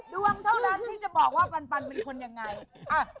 ดวงเท่านั้นที่จะบอกว่าปันเป็นคนยังไง